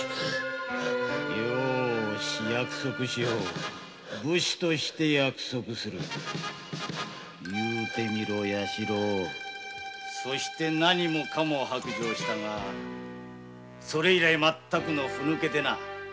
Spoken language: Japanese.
よし約束しよう武士として約束すそして何もかも白状したがそれ以来全くのふぬけでな。